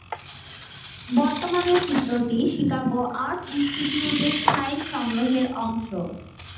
বর্তমানে চিত্রটি Chicago art ইন্সটিটিউটের স্থায়ী সংগ্রহের অংশ।